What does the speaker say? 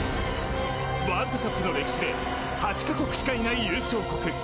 ワールドカップの歴史で８か国しかいない優勝国。